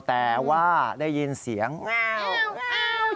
แต่ว่าได้ยินเสียงง้าวง้าว